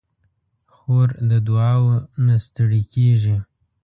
خور د دعاوو نه ستړې کېږي.